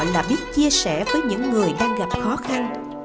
là biết chia sẻ với những người đang gặp khó khăn